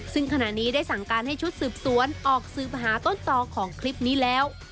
ซึ่งขณะนี้ได้สั่งการให้ชุดสืบสวนออกสืบหาต้นต่อของคลิปนี้แล้ว